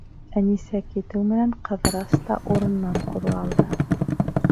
Әнисә китеү менән, Ҡыҙырас та урынынан ҡуҙғалды.